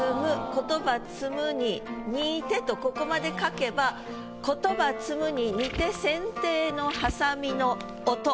「言葉摘むに似て」とここまで書けば「言葉摘むに似て剪定の鋏の音」。